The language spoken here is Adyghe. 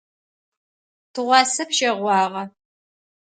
Тыгъуасэ пщэгъуагъэ.